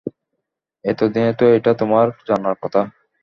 এত দিনে তো এটা তোমার জানার কথা।